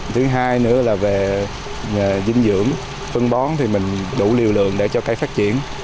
thứ hai nữa là về dinh dưỡng phân bón thì mình đủ liều lượng để cho cây phát triển